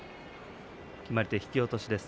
決まり手、引き落としです。